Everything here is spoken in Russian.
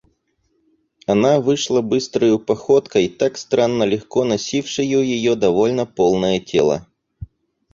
Она вышла быстрою походкой, так странно легко носившею ее довольно полное тело.